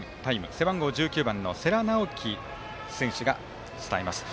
背番号１９番の世良直輝選手が伝えます。